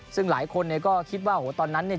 ซึ่งหลายคนเนี่ยก็คิดว่าโอ้โหตอนนั้นเนี่ย